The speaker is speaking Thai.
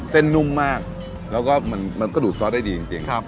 เส้นนุ่มมากแล้วก็ดูดซอสได้ดีจริง